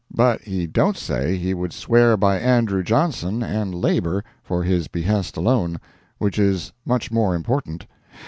But he don't say he would swear by Andrew Johnson and labor for his behest alone—which is much more important.